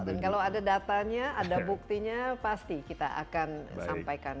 dan kalau ada datanya ada buktinya pasti kita akan sampaikan